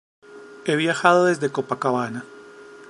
He viajado desde Copacabana.